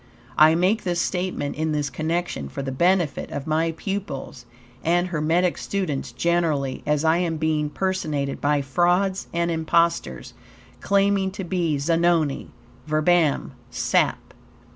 I make this statement in this connection for the benefit of my pupils and Hermetic students generally, as I am being personated by frauds and imposters, claiming to be Zanoni. Verbam sap.